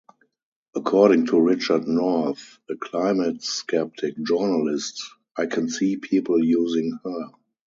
According to Richard North, a climate skeptic journalist: I can see people using her.